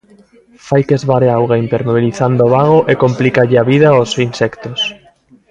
Fai que esvare a auga impermeabilizando o bago e complícalle a vida aos insectos.